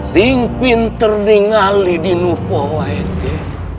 sing pinterningali di nuh poege